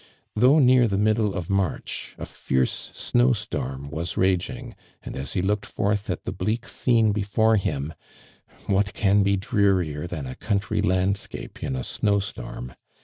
Though near the middle of March, a fierce snow storm wa» raging, and as he looked forth at the bleak scene before him (what can be drearier than a country landscape in a snow storm) he felt , ARMAND DURAND.